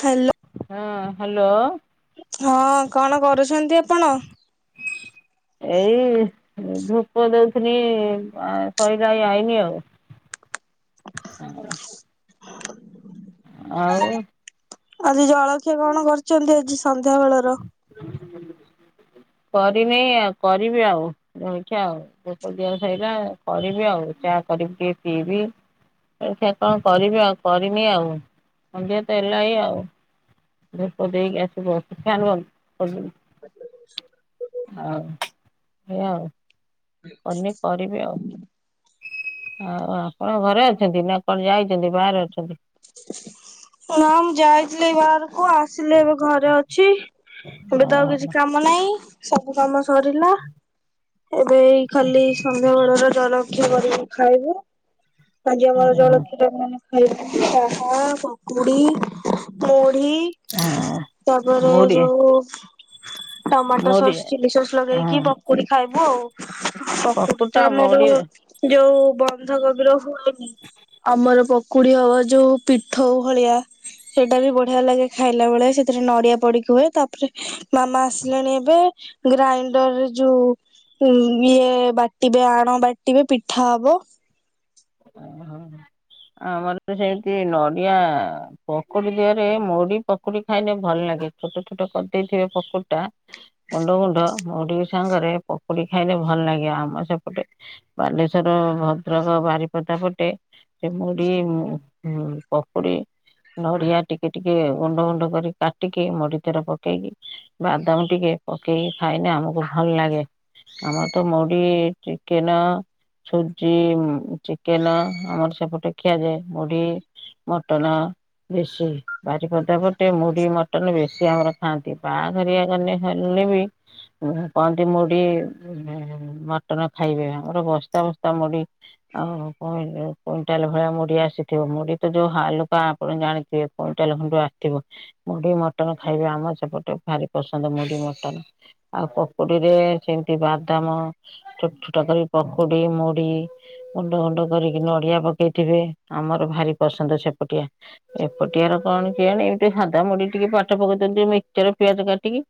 Hello ହଁ hello ହଁ କଣ କରୁଛନ୍ତି ଆପଣ ଏଇ ଧୂପ ଦଉଥିଲି ଶଇଲା ଏଇ ଆଇଲି ଆଉ ହଁ ହ ଆଉ ଆଜି ଜଳଖିଆ କଣ କରିଛନ୍ତି ଆଜି ସନ୍ଧ୍ୟା ବେଳର ହ କରିନି ଆଉ କରିବି ଆଉ ରଇଛି ଆଉ ଧୂପ ଦିଆ ସଇଲା କରିବି ଆଉ ଚା କରିକି ଟିକେ ପିଇବି ଜଳଖିଆ କଣ କରିବି ଆଉ କରିନି ଆଉ ସଂନ୍ଧ୍ୟା ତ ହେଲା ହି ଆଉ ଧୂପ ଦେଇ ଆସି ବସିଛି [inaudible] ଆଉ ଏଇଉ କନି କରିବି ଆଉ ଆଉ ଆପଣ ଘରେ ଅଛନ୍ତି ନା କଣ ଯାଇଛନ୍ତି ବାହାରେ ଅଛନ୍ତି ନା ମୁଁ ଯାଇଥିଲି ବାହାରକୁ ଆସିଲି ଏବେ ଘରେ ଅଛି ଏବେ ତ ଆଉ କିଛି ଓହୋ କାମ ନାହିଁ ସବୁ କାମ ସରିଲା ଏବେ ଖାଲି ସନ୍ଧ୍ୟା ବେଳର ଜଳଖିଆ କରିକି ଖାଇବୁ ଆଜି ଆମର ହଁ ହଁ ଜଳଖିଆ ର ମାନେ ଖାଇବୁ ଚାହା ପକୁଡି ହଁ ତାପରେ ମୁଁ ଟିକେ ଯଉ ଟମାଟୋ ମୁଁ ସସ୍ ଟିକେ ଚିଲି ସସ୍ ହଁ ଲଗେଇକି ପକୁଡି ଖାଇବୁ ଆଉ ପକୁଡି ପକୁଡିଟା ତ ଆମର ମୋରି ଯୋଉ ବନ୍ଧକୋବି ର ହୁଏନି ଆମର କୁଡି ହବା ଯୋଉ ପିଠ । ଖଉ ଭଳିଆ ସେଟା ବି ବଢିଆ ଲାଗେ ଖାଇଲା ବେଳେ ସେଥିରେ ନଡିଆ ପଡିକି ହୁଏ ତାପରେ। ମାମା ଆସିଲେଣି ଏବେ ଗ୍ରାଇଣ୍ଡରରେ ଯୋଉ। ଉ ଇଏ ବାଟିବେ ଆଣ ବାଟିବେ ପିଠା ହବ। ଓ ହଁ ହ। ଆମର ତ ସେମତି ନଡିଆ ପକୁୋଡି ଦେହରେ ମୋଡି ପକୁୋଡି ଖାଇଲେ ଭଲ ଲାଗେ। ଛୋଟ ଛୋଟ କରିଦେଇଥିବେ ପକୁର ଟା ଗୁଣ୍ଡ ଗୁଣ୍ଡିକ। ସାଙ୍ଗରେ ପକୁଡି ଖାଇଲେ ଭଲ ଲାଗେ ଆମ ସେପଟେ ବାଲେଶ୍ଵର ଭଦ୍ରକ ବାରି । କଟପଟେ ସେ ମୁଠ ପପୁଡି। ନଡିଆ ଟିକେ ଟିକେ ଗୁଣ୍ଡ ଗୁଣ୍ଡ କରି କାଟିକି ମଡିଥର ପକେଇକି ବାଦାମ ଟିକେ । ପକେଇ ଖାଇ ନା ଆମକୁ ଭଲ ଲାଗେ। ଆମର ତ ମୁଢ ଚିକେନ ସୁଜି। କେଲ ଆମର ସେପଟେ ଖିଆଯାଏ ମୁଢି ମଟନ। ବେଶୀ ବାରିପଦାପଟେ ମୁଢି ମଟନ ବେଶୀ ଆମର ଖାଆନ୍ତି ବାହାଘରିବା ଗଲେ ଖ। ବି। କହନ୍ତି ମୁୋଡି ମଟନ ଖାଇବେ ଆମର ବସ୍ତା ବସ୍ତା ମୁୋଡି। ଓଉ । କୁଇଣ୍ଟାଲ ଭଳିଆ ମୁଢଡି ଆସିଥିବ ମୁଢି ତ ଯୋଉ ହାଲୁକା ଆପଣ ଜାଣିଥିବେ କୁଇଣ୍ଟାଲ ଖୁଣ୍ଡ ଆ। ବ ମୁଢି ମଟନ ଖାଇବେ ଆମର ସେପଟେ ଭାରି ପସନ୍ଦ ମୁଢି ମଟନ। ଆଉ ପକୁଡି ରେ ସେମିତି ବାଦାମ ଛୋଟ ଛୋଟ କରି ପକୁଡି ମୁଢ଼ି ଉଣ୍ଡ ଗଣ୍ଡ। କରିକି ନଡିଆ ପକେଇଥିବେ ଆମର ଭାରି ପସନ୍ଦ ସେପଟିଆ ଏପଟିଆର କଣ? [unintelligible] ସାଧା ମୁଢି ଟିକେ ପାଠ ପକେଇ [unintelligible] ଚ ପିଆଜ କାଟିକି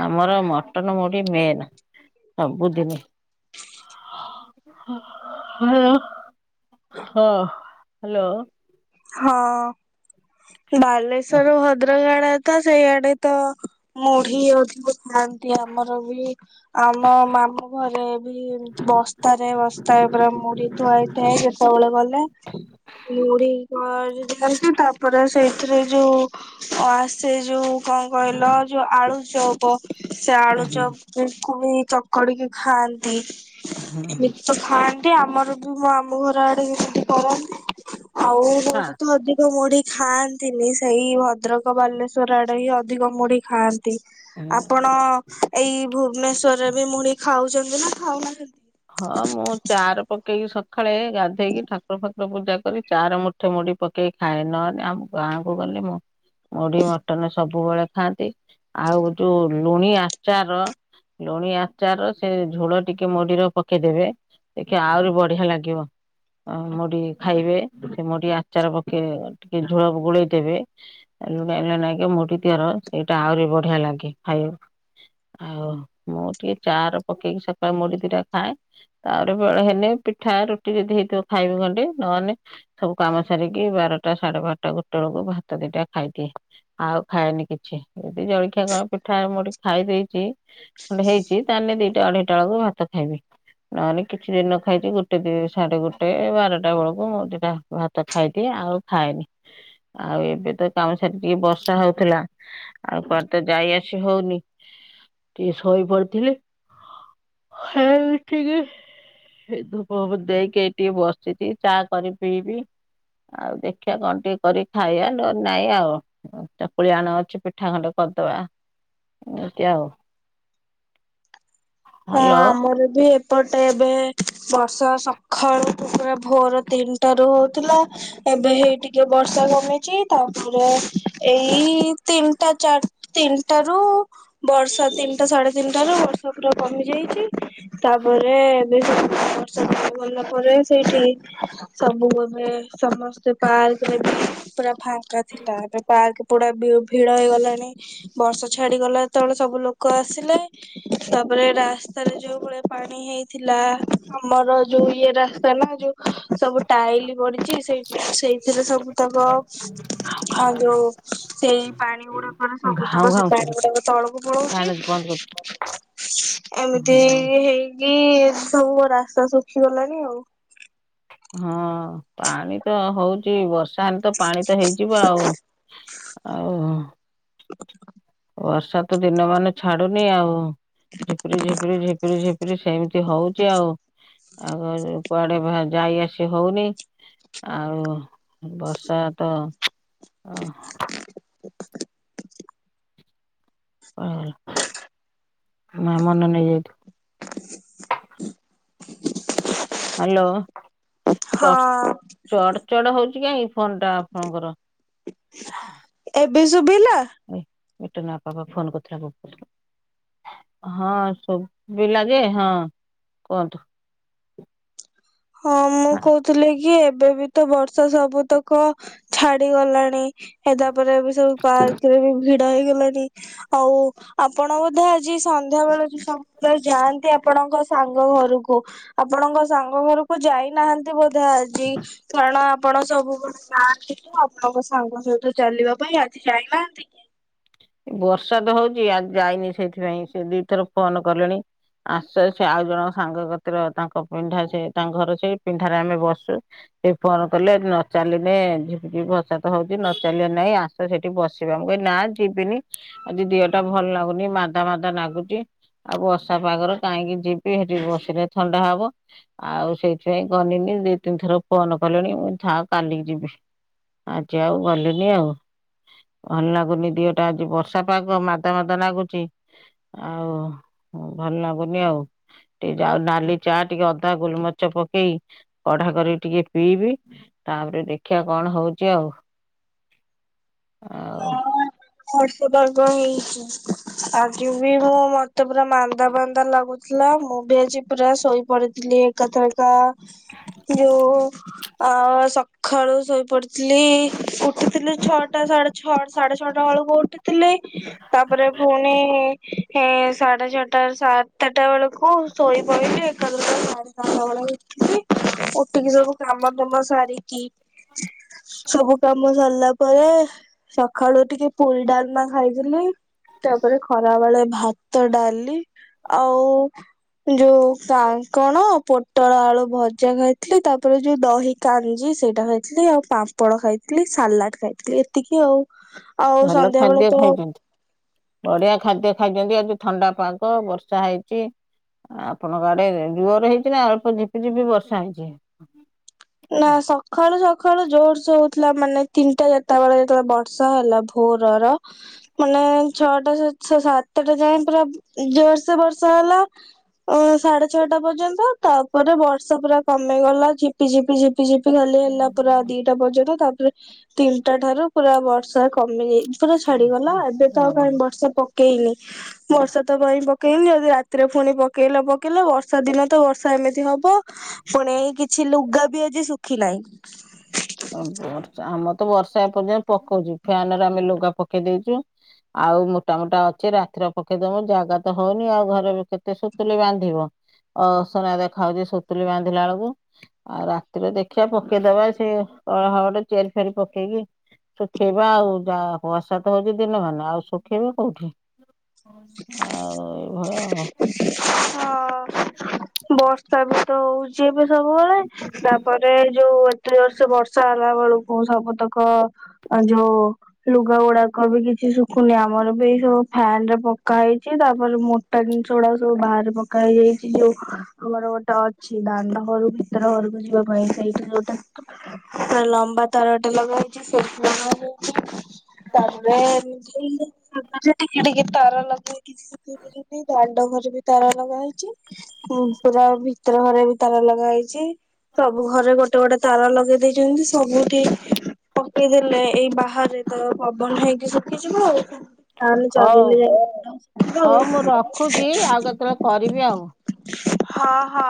ଆମର ମଟନ ମ ମେନ୍ ସବୁ ଦିନି। ହ ହଁ ହ୍ୟାଲୋ । ହଁ ବାଲେଶ୍ୱର ଭଦ୍ରକାଳ। ତ ସେଇଆଡେ ତ ମୁଢି ଅଧିକ ଥାଆନ୍ତି ଆମର ବି ଆମ ମାମୁ ଘରେ ବି ବସ୍ତାରେ ବସ୍ତା ଏ ପରା ମୁଢ଼ି ଥୁଆହେଇଥାଏ ଯେତେବେଳେ ଗଲେ। ମୁଢ଼ି [unintelligible] ତାପରେ ସେଇଥିରେ ଯୋଉ। ଆ ସେ ଯୋଉ କଣ କହିଲ ଯୋଉ ଆଳୁ ଚପ ସେ ଆଳୁ ହଁ। ଚପ ବି କ ବି ଚକଡିକି ଖାଆନ୍ତି [unintelligible] ଖାଆନ୍ତି ଆମର ମୋ ଆମୁଁ ଘର ଆଡେ ଏମତି କରନ୍ତିି ଆଉ କୋଉଠି ତ ଅଧିକ ମୁଢି । ଖାଆନ୍ତିନି ସେଇ ଭଦ୍ରକ ବାଲେଶ୍ଵର ଆଡେ ହିଁ ଅଧିକ ମୁଢି ଖାଆ ଆପଣ ଏଇ ଭୁବନେଶ୍ଵରରେ ବି ମୁଢ଼ି ଖାଉଛନ୍ତି ନା ଖାଉନାହାନ୍ତି। ହଁ ମୁଁ ଚାରେ ପକେଇକି ସଖାଳେ ଗାଧେଇକି ଠାକୁର ଫାକୁର ପୂଜା କରି ଚାର ମୁଠେ ମୁଢ଼ି ପକେଇ ଖାଏ ନହେଲେ ଆମ ଗାଁ କୁ ଗଲେ ମୁଁ ମୁଢି ମଟନ ସବୁବେଳେ ଖାଆନ୍ତି ଆଉ ଯୋଉ ଲୁଣି ଆଚାର । ଲୁଣି ଆଚାର ସେ ଝୋଳ ଟିକେ ମଡିର । ପକେଇଦେବେ ଦେଖେ ଆହୁରି ବଢିଆ ଲାଗିବ। ଅ ମୁଢ଼ି ଖାଇବେ ସେ ମୁଢ଼ି ଆଚାର ପକେଇବେ ଟିକେ ଝୋଳ ଗୋଳେଇ ଦେବେ। ଲୁଣିଆ ଲୁଣିଆ ନାଗିବ ମୋଡି ର ସେଇଟା ଆହୁରି ବଢିଆ ଲାଗେ ଖାଇବାକୁ। ଆଉ ମୁଁ ଟିକେ ଚାର ପକେଇକି ସକା ମୋଡି ଦିଟା ଖାଏ ତାପରେ ବେଳ ହେନେ ପିଠା ରୁଟି ଯଦି ହେଇଥିବ ଖାଇବି ଖଣ୍ଡେ ନହେଲେ ସବୁ କାମ ସା ରିକି ବାରଟା ସାଢେ ବାରଟା ଗୋଟେ ବେଳକୁ ଭାତ ଦିଟା ଖାଇଦିଏ ଆଉ ଖାଏନି କିଛି। ଜଳଖିଆ କଣ ପିଠା ମୁଢ଼ି ଖାଇ ଦେଇଛି ହେଇଛି ତାହେଲେ ଦିଟା ଅଢେଇଟା ବେଳକୁ ଭାତ ଖାଇବି। [inaudible] ନହେନି କିଛି ନ ଖାଇଛି ଗୋଟେ ଦ ସାଢେ ଗୋଟେ ବାରଟା ବେଳକୁ ମୁଁ ଦିଟା ଭାତ ଖାଇଦିଏ ଆଉ ଖଏନି ଆଉ ଏବେ ତ କାମ ସାରିକି ଟିକେ ବର୍ଷା ହଉଥିଲା ଆଉ କୁଆଡ଼େ ତ ଯାଇ ଆ ସି ହଉନି ଟିକେ ଶୋଇ ପଡିଥିଲେ। ଠିକେ ଧୂପ ଦେଇକି ଏଇଠି ଟିକେ ବସିଛି ଚା କରିି ପିଇବି। ଆଉ ଦେଖିବା କଣ ଟିକେ କରି ଖାଇବା ନହେଲେ ନାଇଁ ଆଉ ଚକୁଳି ଆଣ ଅଛି ପିଠା ଖଣ୍ଡେ କ କରିଦବା ଦେଖିଆ ଆଉ। ହଁ ହାଲୋ ଆମର ବି ଏପଟେ ଏବେ ବର୍ଷା ସଖାଳୁ ଭୋର ତିନିଟା ରୁ ହଉଥିଲା। ଏବେ ହେଇ ଟିକେ ବର୍ଷା କମିଛି ତାପରେ ଏଇ ତିନିଟା ଚାର ତି ତିନିଟା ରୁ ବର୍ଷା ତିନିଟା ସାଢେ ତିନିଟା ରୁ ବର୍ଷା ପୁରା କମି ଯାଇଛି ତାପରେ [unintelligible] ବର୍ଷ ଗଲା ପରେ ସେଇଠି ସବୁ ଏବେ ସମସ୍ତେ ପା ପୁରା ଫାଙ୍କା ଥିଲା ଏବେ ପାର୍କ ପୁରା ଭିଡ ହେଇଗଲାଣି ବର୍ଷ ଛାଡ ଗଲା ଯେତେବେଳେ ସବୁ ଲୋକ ଆସିଲେ ତା ପରେ ରାସ୍ତାରେ ଯୋଉ ଭଳିଆ ପାଣି ହେଇଥିଲା ଆମର ଯୋଉ ଇଏ ରାସ୍ତା ନା ଯୋଉ ସବୁ ଟାଇଲି ପଡ଼ିଛି ସେ ସେଇଥିରେ ସବୁ ତକ ଆ ଯୋଉ ସେଇ ପାଣି ଗୁଡାକରେ ସବୁ ଘାଉଁ ତକ ସେ ଘାଉଁ ପାଣି ଶୁଭୁଛି ଗୁଡ଼ାକ ତଳକୁ ଫ୍ୟାନ ବନ୍ଦ କରୁଛି ପଳଉଛି। ଏମିତି ହଁ। ହେଇ ହେଇକି ସବୁ ରାସ୍ତା ଶୁଖିଗଲାଣି ଆଉ। ହଁ ପାଣି ତ ହଉଛି ବର୍ଷା। ତାହେଲେ ତ ପାଣି ତ ହେଇଯିବ ଆଉ ଆଉ ବଷ ସାତ ଦିନ ମାନ ଛାଡୁନି ଆଉ। ଝିପରି ଝିପରି ଝିପରି ଝିପରି ସେମିତି ହଉଚ ଆଉ ଆଗ କୁଆଡେ ଯାଇ ଆସି ହଉନି ଆଉ ବର୍ଷା ତ ହ ନ ମନେ ନେଇଯାଇଥିଲୁ ହ୍ୟାଲୋ ଚ ହଁ ଚଡ ଚଡ ହଉଛି କାାଇହିଁ ଫୋନ ଟା ଆପଣଙ୍କର ଏବେ ଶୁଭିଲା ଏଟା ନା ପାବା ଫୋନ କରଥିଲବୁ ହଁ ସୁ ଲାଗେ ହଁ କୁହନ୍ତୁ ହଁ ମୁଁ କହୁଥିଲି କି ଏବେ ବି ତ ବର୍ଷା ସବୁତକ ଛାଡିଗଲାଣି ହେ ତାପରେ ଏ ସବୁ ପାର୍କ ରେ ବି ଭିଡ ହେଇଗଲାଣି ଆଉ ଆପଣ ବୋଧେ ଆଜି ସନ୍ଧ୍ୟାବେଳ ସବୁବେଳେ ଯାଆନ୍ତି ଆପଣ ଆପଣଙ୍କ ସାଙ୍ଗ ଘରକୁ ଆପଣଙ୍କ ସାଙ୍ଗ ଘରକୁ ମୁ ଯାଇନାହାନ୍ତି ବୋଧେ ଆଜି କାରଣ ଆପଣ ସବୁ ଣ ନାହାନ୍ତି ତୁ ଆପଣଙ୍କ ସାଙ୍ଗ ସହିତ ଚାଲିବା ପାଇଁ ଆଜି ଯାଇନାହାନ୍ତି କି ବର୍ଷା ତ ହଉଛି ଆ ଯାଇନି ସେଇଥିପାଇଁ ସେ ଦି ଥର ଫୋନ କଲେଣି ଆସ ସେ ଆଉ ଜଣ ସାଙ୍ଗ କତିର ତାଙ୍କ ପିନ୍ଢା ସେ ତାଙ୍କ ଘର ସେ ପିନ୍ଢାରେ ଆମେ ବସୁ ସେ ଫୋନ କଲେ ନ ଚାଲିଲେଝି ଭସା ତ ହଉଛି ନଚଲେ ନାଇଁ ଆସ ସେଠି ବସିବା କ ନା ଯିବିନି ଆଉଜି ଦେିହ ଟା ଭଲ ଲାଗୁନି ମାଧା ମାଧା ନାଗୁଛି ଆଉ ବର୍ଷା ପାଗର କାହିଁକି ଯିବି ସେଠି ବସିଲେ ଥଣ୍ଡା ହବ ଆଉ ସେଇଥିପାଇଁ ଗନିନି ଦି ତିନି ଥର ଫୋନ କଲେଣି ମୁଁ ଯାହା କାଲିକି ଯିବି ଆଜି ଆଉ ଭଲୁନି ଆଉ ଭଲ ଲାଗୁନି ଦିଅ ଗଟା ଆଜି ବର୍ଷା ପାଗ ମାଦ ମାଦ ଲାଗୁଛି ଆଉ ଭଲ ଲାଗୁନି ଆଉ ଟିକେ ଯାଉ ନାଲି ଚା ଟିକେ ଅଧା ଗୋଲମଚ ପକେଇ କଢା କରିକି ଟିକେ ପିଇବି ତାପରେ ଦେଖିବା କଣ ହଉଚ ଆଉ ଆଉ ଖ ତଗ ହେଇଛି ଆଜି ବି ମୁଁ ମତେ ପୁରା ମାନ୍ଦା ବାନ୍ଦା ଲାଗୁଥିଲା ମୁଁ ବି ଆଜି ପୁରା ଶୋଇ ପଡିଥିଲି ଏକାଥର ଏକ ଯୋଉ ଅ ଖର ଶୋଇ ପଡିଥିଲି ଉଠିଥିଲି ଛଅଟା ସାଢେ ଛଅଟା ସାଢେ ଛଅଟା ବେଳକୁ ଉଠିଥିଲେ ତାପରେ ପୁଣି ସାଢେ ଛଅଟା ସାତଟା ବେଳକୁ ଶୋଇପାରିଲି ଏକା ଦୁଟ ସାଢେ ସାତା ବେଳେ ଉଠଛି ଉଠିକି ସବୁ କାମ କାମ ଫାମ ସାରିକି ସବୁ କାମ ସରିଲା ପରେ ସକାଳୁ ଟି ତାପରେ ଖରା ବେଳେ ଭାତ, ଡାଲି ଆଉ ଯୋଉ କାଙ୍କଣ, ପୋଟଳ ଆଳୁ ଭଜା ଖାଇଥିଲି ତାପରେ ଯୋଉ ଦହି କାଞ୍ଜି ସେଇଟା ଖାଇଥିଲି, ଆଉ ପାମ୍ପଡ଼ ଖାଇଥିଲି, ସାଲାଡ ଖାଇଥିଲି ଏତିକି ଆଉ। ଆଉ ଭଲ ସନ୍ଧ୍ୟା ବେଳେ ଖାଦ୍ୟ ତ ଖାଇଛନ୍ତି ବଢିଆ ଖାଦ୍ୟ ଖାଇଛନ୍ତି ଆଜି ଥଣ୍ଡା ପାଗ ବର୍ଷା ହେଇଛି। ଆପଣଙ୍କ ଆଡେ ଜୋରେ ହେଇଛି ନା ଅଳ୍ପ ଝିପିଝିପି ବର୍ଷା ହେଇଛି। ନା ସକାଳୁ ସକାଳୁ ଜୋରସେ ହଉଥିଲା ମାନେ ତିନିଟା ଚାରିଟାବେଳେ ଯେତେବେଳେ ବର୍ଷା ହେଲା ଭୋରର ମାନେ ଛଅଟା ସାତ କେତେଟା ଯାଇ ପୁରା ଜୋରସେ ବର୍ଷ ହେଲା। ଅ ସାଢେ ଛଅଟା ପର୍ଯ୍ୟନ୍ତ ତାପରେ ବର୍ଷା ପୁରା କମି ଗଲା ଝି ଝିପି ଝିପି ଝିପି ଖାଲି ହେଲା ପୁରା ଦିଟା ପର୍ଯ୍ୟନ୍ତ ତା ତିନିଟା ଠାରୁ ପୁରା ବର୍ଷା କମିଯାଇ ପୁରା ଛାଡିଗଲା ଏବେ ତ ଆଉ ହଁ କାଇଁ ବର୍ଷା ପକେଇନି ବର୍ଷା ତ କାଇଁ ପକେଇନି ଆଉ। ରାତିରେ ପୁଣି ପକେଇଲା ପକେଇଲା ବର୍ଷା ଦିନ ତ ବର୍ଷା ଏମିତି ହବ ପୁଣି ଏଇ କିଛି କି ଲୁଗା ବି ଆଜି ଶୁଖି ନାହିଁ। ଆମର ତ ବର୍ଷା ଏ ପର୍ଯ୍ୟନ୍ତ ପକଉଛି ଫ୍ୟାନରେ ଆମେ ଲୁଗା ପକେଇ ଦେଇଦେଇଛୁ। ଆଉ ମୋଟା ମୋଟା ଅଛି ରାତିର ପକେଇଦବ ଜାଗା ତ ହଉନି, ଆଉ ଘରେ କେତେ ସୁତୁଲି ବାନ୍ଧିବ। ଅସନା ଦେଖାଯାଉଛି ସୁତୁଲି ବାନ୍ଧିଲା ବେଳକୁ, ଆଉ ରାତିରେ ଦେଖିବା ପକେଇଦବା ସିଏ କଳା ହବଟେ ଚେଇଆରି ଫେଇଆରି ପକେଇକି। ଶୁଖେଇବା ଆଉ ଯା ବର୍ଷା ତ ହଉଛି ଦିନ ମାନେ ଆଉ ଶୁଖେଇବା କୋଉଠି? ଆଉ ଏଇଭଳିଆ ଆଉ। ହଁ ବର୍ଷ ବି ତ ହଉଛି ଏବେ ସବୁବେଳେ ତାପରେ ଯୋଉ ଏତେ ଜୋରସେ ବର୍ଷା ହେଲା ବେଳକୁ ସବୁତକ ଯୋଉ ଲୁଗା ଗୁଡାକ ବି କି କିଛି ଶୁଖୁନି ଆମର ବି ଏଇ ସବୁ ଫ୍ୟାନ ରେ ପକାହେଇଛି ତାପରେ ମୋଟା ଜିନିଷ ଗୁଡା ସବୁ ବାହା ପକା ହେଇଯାଇଛି ଯୋଉ ଆମର ଗୋଟେ ଅଛି ଦାଣ୍ଡ ଘର ଭିତର ଘରକୁ ଯିବା ପାଇଁ ସେଇଠୀ ଯୋଉ ପୁରା ଲମ୍ବା ତାରଟେ ଲଗା ହେଇଛି ସେ ତାପରେ ଏମତି ମାନେ ଟିକେ ଟିକେ ତାର ଲଗେ କିଛି [inaudible] ଦାଣ୍ଡ ଘର ତାର ଲଗାହେଇଛି ପୁରା ଭିତର ଘରେ ବି ତାର ଲଗାହେଇଚି। ସବୁ ଘରେ ଗୋଟେ ଗୋଟେ ତାର ଲଗେଇ ଦେଇଛନ୍ତି, ସବୁଠି ପକେଇଦେଲେ ଏଇ ବାହାରେ ତ ପବନ ହେଇକି ଶୁଖିଯିବ ଆଉ। ତାହେଲେ ହଉ ଚାଲିଲେ ହଉ ମୁଁ ରଖୁଛି ଆଉ ଯାଇଁକି କେତେବେଳେ କରିବି ଆଉ। ହଁ ହଁ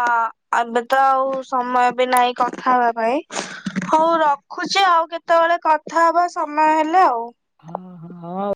ଏବେ ତ ଆଉ ସମୟ ବି ନାହିଁ କଥା ହେବା ପାଇଁ। ମୁଁ ରଖୁଛି ଆଉ କେତେବେଳେ କଥା ହବା ସମୟ ହେଲେ ଆଉ। ହଁ ହଁ ହଉ ।